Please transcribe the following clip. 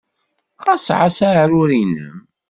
Ɣas ɛass aɛrur-nnem.